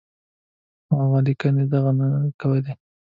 خو هغه لیکني ده نه کولې.